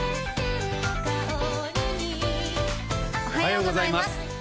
おはようございます